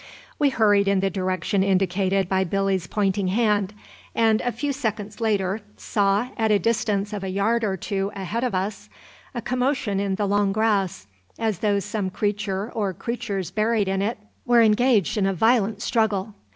We hurried in the direction indicated by Billy's pointing hand, and, a few seconds later, saw, at a distance of a yard or two ahead of us, a commotion in the long grass, as though some creature or creatures buried in it were engaged in a violent struggle.